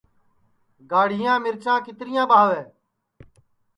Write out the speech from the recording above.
گاڑِھیاں مِرچاں کِترِیاں ٻاہوے